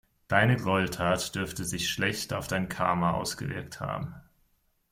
Deine Gräueltat dürfte sich schlecht auf dein Karma ausgewirkt haben.